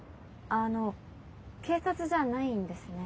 あの警察じゃないんですね。